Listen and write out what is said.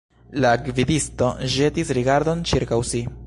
La gvidisto ĵetis rigardon ĉirkaŭ si.